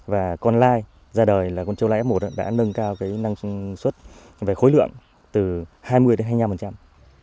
và con lai ra đời là con châu lai f một đã nâng cao cái năng sản xuất về khối lượng từ hai mươi đến hai mươi năm